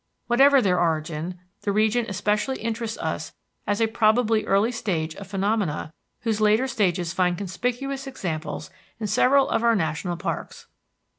Whatever their origin the region especially interests us as a probably early stage of phenomena whose later stages find conspicuous examples in several of our national parks.